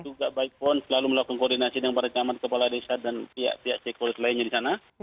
juga baik pun lalu melakukan koordinasi dengan para jaman kepala desa dan pihak pihak siklon lainnya di sana